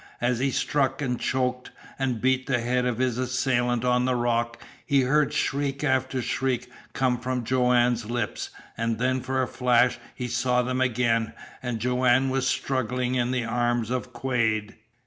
As he struck, and choked, and beat the head of his assailant on the rock, he heard shriek after shriek come from Joanne's lips; and then for a flash he saw them again, and Joanne was struggling in the arms of Quade!